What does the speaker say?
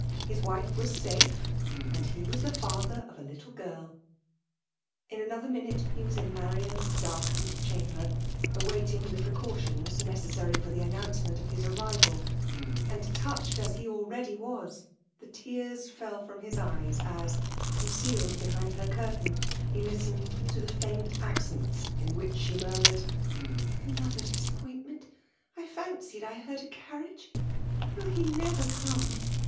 — His wife was safe, and he was the father of a little girl. In another minute he was in Marian's dark ened chamber, awaiting the precautions neces sary for the announcement of his arrival ; and touched as he already was, the tears fell from his eyes as, concealed behind her curtain, he listened to the faint accents in which she mur mured,'^ Another disappointment! — I fancied I heard a carriage !— Will he never come